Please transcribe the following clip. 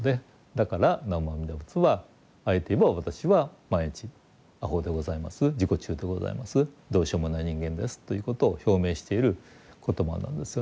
だから南無阿弥陀仏はあえて言えば私は毎日アホでございます自己中でございますどうしようもない人間ですということを表明している言葉なんですよね。